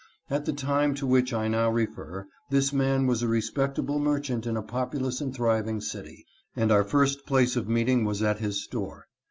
At the time to which I now refer this man was a respectable merchant in a populous and thriving city, and our first place of meeting was at his store.